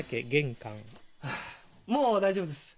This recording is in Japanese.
はあもう大丈夫です。